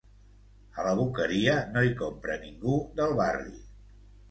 A la Boqueria no hi compra ningú del barri.